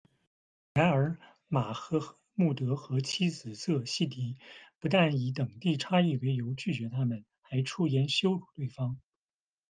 然而，马赫穆德和妻子仄·西蒂不但以等第差异为由拒绝他们，还出言羞辱对方。